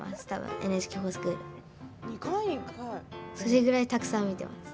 それぐらいたくさん見ています。